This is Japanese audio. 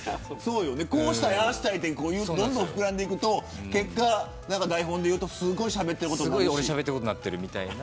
こうしたい、ああしたいってどんどん膨らんでいくと結果、台本でいうとすごいしゃべっていることになっているみたいな。